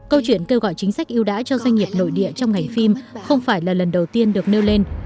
câu chuyện kêu gọi chính sách yêu đã cho doanh nghiệp nội địa trong ngành phim không phải là lần đầu tiên được nêu lên